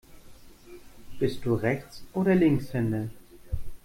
Bist du Rechts- oder Linkshänder?